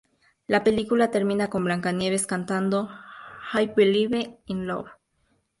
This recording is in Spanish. La película termina con Blancanieves cantando "I Believe in Love", al estilo de Bollywood.